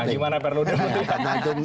nah gimana perludem untuk banten